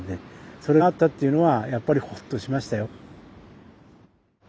それがあったっていうのはやっぱりほっとしましたよ。